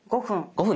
５分。